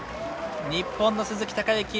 日本の鈴木孝幸